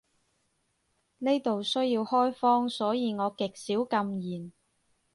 呢度需要開荒，所以我極少禁言